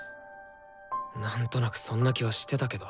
なんとなくそんな気はしてたけど。